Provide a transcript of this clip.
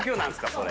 それ。